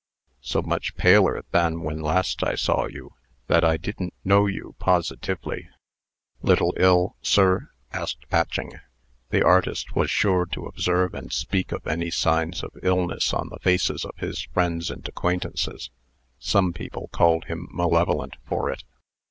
"So much paler than when I last saw you, that I didn't know you, positively. Little ill, sir?" asked Patching. The artist was sure to observe and speak of any signs of illness on the faces of his friends and acquaintances. Some people called him malevolent for it.